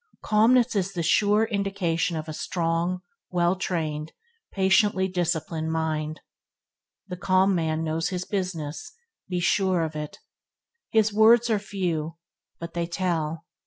Calmness is the sure indication of a strong, welltrained, patiently disciplined mind. The calm man knows his business, be sure of it. His words are few, but they tell.